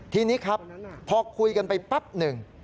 ทีนี้ครับพอคุยกันไปแป๊บหนึ่ง